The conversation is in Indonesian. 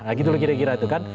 nah gitu loh kira kira itu kan